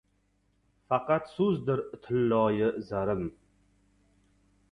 Faqat so‘zdir tilloyu zarim.